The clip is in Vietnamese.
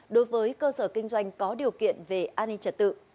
đối với cơ sở kinh doanh có điều kiện về an ninh trật tự